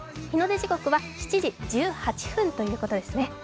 日の出時刻は７時１８分ということですね。